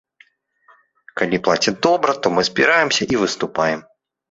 Калі плацяць добра, то мы збіраемся і выступаем.